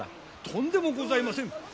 とんでもございませぬ！